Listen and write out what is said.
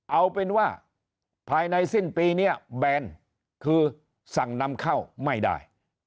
เอาเป็นว่าภายในสิ้นปีนี้แบนคือสั่งนำเข้าไม่ได้